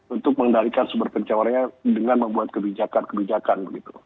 untuk mengendarikan sumber pencemarannya dengan membuat kebijakan kebijakan